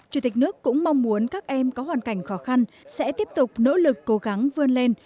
chủ tịch nước cũng mong muốn các em có hoàn cảnh khó khăn sẽ tiếp tục nỗ lực cố gắng vươn lên